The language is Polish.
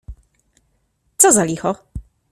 "Co za licho!"